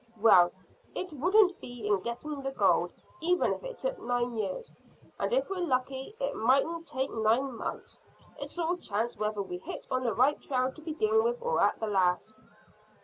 "Well, it wouldn't be in getting the gold, even if it took nine years, and if we're lucky it mightn't take nine months. It's all chance whether we hit on the right trail to begin with or at the last."